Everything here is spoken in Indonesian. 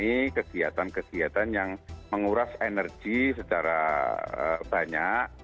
ini kegiatan kegiatan yang menguras energi secara banyak